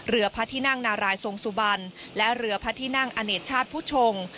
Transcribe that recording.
เรือพระที่นั่งนารายทรงสุบันและเรือพระที่นั่งอเนกชาติผู้ชง